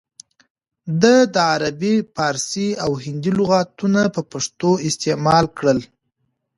ده د عربي، فارسي او هندي لغاتونه په پښتو استعمال کړل